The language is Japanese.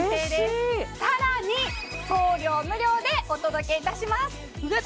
更に送料無料でお届けいたします